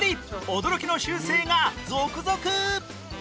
驚きの習性が続々！